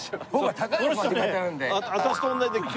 私と同じで。